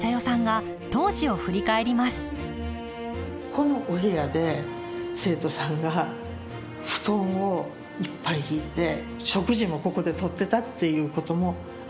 このお部屋で生徒さんが布団をいっぱい敷いて食事もここでとってたっていうこともあります。